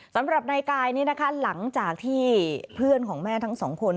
สำหรับนายกายนี่นะคะหลังจากที่เพื่อนของแม่ทั้งสองคน